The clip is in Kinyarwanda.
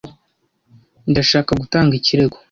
Ndashaka gutanga ikirego.